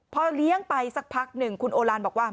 พอเลี้ยงไปสักพักหนึ่งคุณโอลานบอกว่า